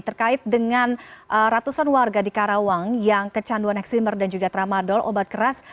terkait dengan ratusan warga di karawang yang kecanduan eksimer dan juga tramadol obat keras